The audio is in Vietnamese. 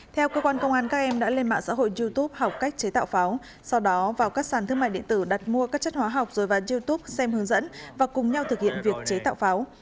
theo cơ quan công an các em đã lên mạng xã hội youtube học cách chế tạo pháo sau đó vào các sàn thương mại điện tử đặt mua các chất hóa học rồi vào youtube xem hướng dẫn và cùng nhau thực hiện việc chế tạo pháo